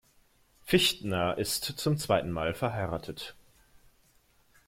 Fichtner ist zum zweiten Mal verheiratet.